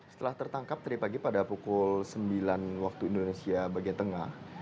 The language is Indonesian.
setelah tertangkap tadi pagi pada pukul sembilan waktu indonesia bagian tengah